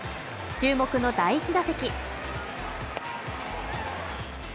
注目の第１打席。